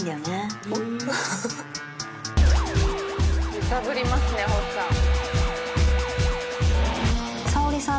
揺さぶりますね星さん。